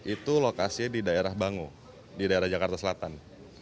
itu lokasinya di daerah bango di daerah jakarta selatan